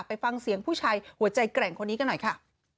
ไปฟังเสียงผู้ชายหัวใจแกร่งคนนี้กันหน่อยค่ะ